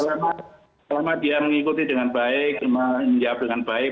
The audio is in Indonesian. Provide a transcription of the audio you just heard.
selama dia mengikuti dengan baik menjawab dengan baik